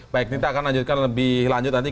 baik tita akan lanjutkan lebih lanjut nanti